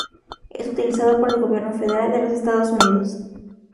Es utilizado por el gobierno federal de los Estados Unidos.